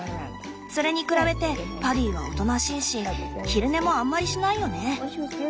それに比べてパディはおとなしいし昼寝もあんまりしないよね。